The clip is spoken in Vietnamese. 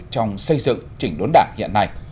trong xây dựng trình đốn đảng hiện nay